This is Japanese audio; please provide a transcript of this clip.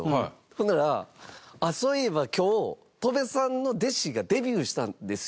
ほんならそういえば今日戸辺さんの弟子がデビューしたんですよみたいな。